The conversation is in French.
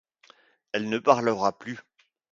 Elle ne parlera plus.